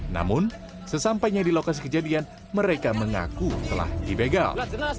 namun sesampainya di lokasi kejadian mereka mengaku telah dibegal